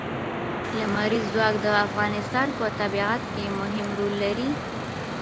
لمریز ځواک د افغانستان په طبیعت کې مهم رول لري.